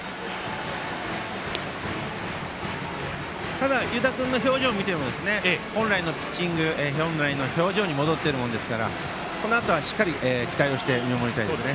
ただ湯田君の表情を見ても本来のピッチング、本来の表情に戻っているもんですからこのあとは期待をして見守りたいですね。